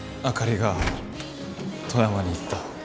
あかりが富山に行った。